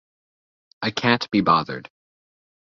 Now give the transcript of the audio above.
I can't be bothered.